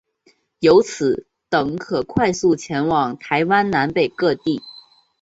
由此等可快速前往台湾南北各地。